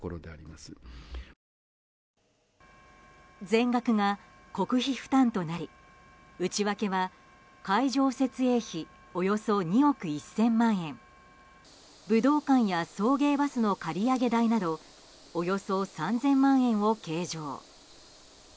全額が国費負担となり内訳は、会場設営費およそ２億１０００万円武道館や送迎バスの借り上げ代などおよそ３０００万円を計上。